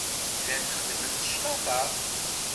Llan xeddment claṭa.